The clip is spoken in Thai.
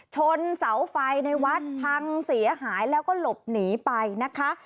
ชนเสาไฟในวัดพังเสียหายแล้วก็หลบหนีไปนะคะ